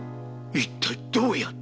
一体どうやって。